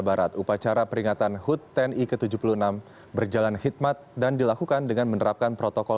barat upacara peringatan hut tni ke tujuh puluh enam berjalan hikmat dan dilakukan dengan menerapkan protokol